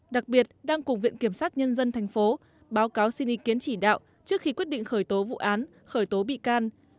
đặc biệt đang cùng viện kiểm sát nhân dân tp báo cáo xin ý kiến chỉ đạo trước khi quyết định khởi tố vụ án khởi tố bị can